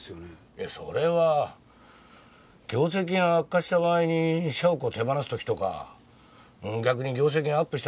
いやそれは業績が悪化した場合に社屋を手放す時とか逆に業績がアップした時に転居する場合の話でしょ？